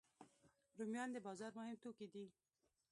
رومیان د بازار مهم توکي دي